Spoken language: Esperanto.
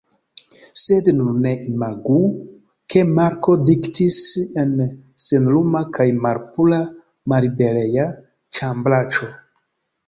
Sed nun ne imagu, ke Marko diktis en senluma kaj malpura mallibereja ĉambraĉo!